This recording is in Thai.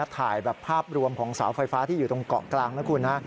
ถ่ายแบบภาพรวมของเสาไฟฟ้าที่อยู่ตรงเกาะกลางนะคุณนะ